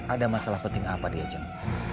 ada masalah penting apa diajeng